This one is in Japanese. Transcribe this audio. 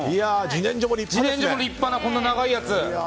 自然薯も立派なこんな長いやつ。